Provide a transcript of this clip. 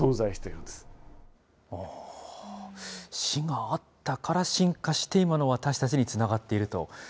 死があったから進化して、今の私たちにつながっていると。